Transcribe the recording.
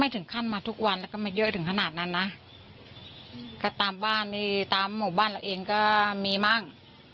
ถึงขั้นมาทุกวันแล้วก็มาเยอะถึงขนาดนั้นนะก็ตามบ้านนี่ตามหมู่บ้านเราเองก็มีมั่ง